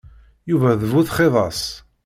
Yuba d bu txidas.